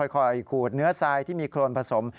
ขูดเนื้อทรายที่มีโครนผสม